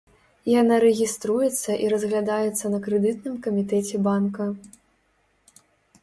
Яна рэгіструецца і разглядаецца на крэдытным камітэце банка.